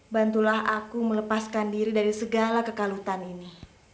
bantulah aku melepaskan diri dari segala kekalutan ini